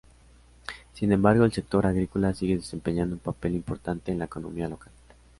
Sin embargo, el sector agrícola sigue desempeñando un papel importante en la economía local.